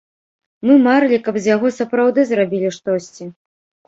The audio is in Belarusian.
Мы марылі, каб з яго сапраўды зрабілі штосьці.